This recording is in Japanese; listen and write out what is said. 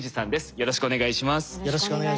よろしくお願いします。